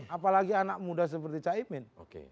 apalagi anak muda seperti cak imin